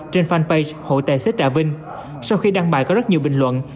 trên fanpage hội tài xế trà vinh sau khi đăng bài có rất nhiều bình luận